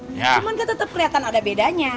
cuman kan tetep keliatan ada bedanya